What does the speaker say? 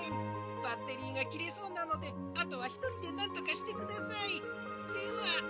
バッテリーがきれそうなのであとはひとりでなんとかしてくださいでは」。